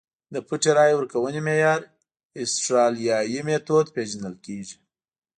د پټې رایې ورکونې معیار اسټرالیايي میتود پېژندل کېږي.